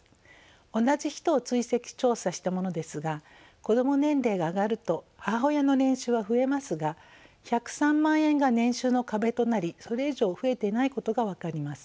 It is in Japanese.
同じ人を追跡調査したものですが子ども年齢が上がると母親の年収は増えますが１０３万円が年収の壁となりそれ以上増えてないことが分かります。